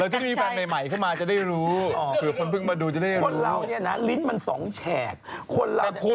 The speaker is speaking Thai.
เอิ่งจี่ต่อไปเธอจะพูดทุกวันทุกวันจะตกปากป่อน